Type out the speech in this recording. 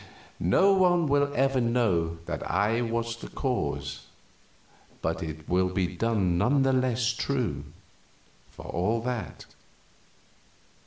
No one will ever know that I was the cause, but it will be none the less true, for all that.